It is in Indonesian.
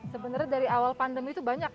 sebenarnya dari awal pandemi itu banyak